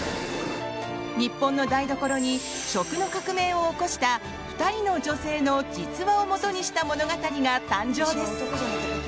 日本の台所に食の革命を起こした２人の女性の実話をもとにした物語が誕生です。